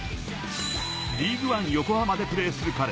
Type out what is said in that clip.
リーグワン横浜でプレーする彼。